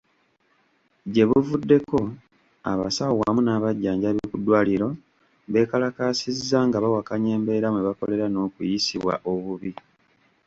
Gyebuvuddeko, abasawo wamu n'abajjanjabi ku ddwaliro beekalakaasizza nga bawakanya embeera mwe bakolera n'okuyisibwa obubi.